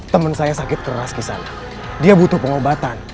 temen saya sakit keras kisana dia butuh pengobatan